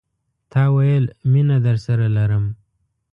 تا ویل، مینه درسره لرم